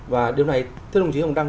và điều này thưa đồng chí hồng đăng